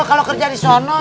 kalau kerja di sono